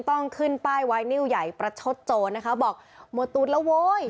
ต้องขึ้นป้ายไว้นิ้วใหญ่ประชดโจรนะคะบอกหมดตูดแล้วโว้ย